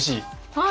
はい！